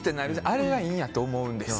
あれがいいんやと思うんです。